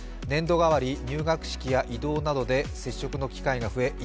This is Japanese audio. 年度替わり入学式や異動などで接触の機会が増え